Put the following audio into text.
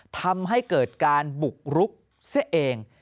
ทำให้เกิดการบุกรุกซะเอง